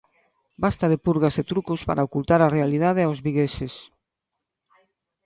Basta de purgas e trucos para ocultar a realidade aos vigueses.